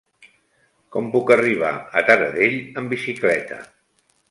Com puc arribar a Taradell amb bicicleta?